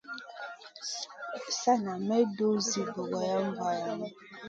Sana ma dur zi bogorayna valamu.